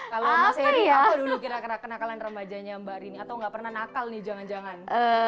kalau mas heri apa dulu kira kira kenakalan remajanya mbak rini atau nggak pernah nakal nih jangan jangan